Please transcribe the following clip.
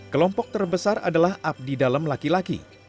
kelompok terbesar adalah abdi dalam laki laki